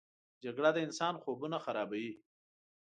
جګړه د انسان خوبونه خرابوي